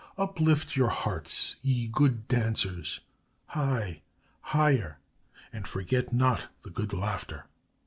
Uplift your hearts, ye good dancers, high! higher! And forget not the good laughter!